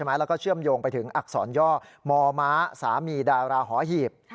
แล้วก็เชื่อมโยงไปถึงอักษรย่อมอม้าสามีดาราหอหีบ